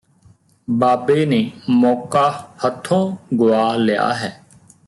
ਬਾਬੇ ਨੇ ਮੌਕਾ ਹੱਥੋਂ ਗੁਆ ਲਿਆ ਹੈ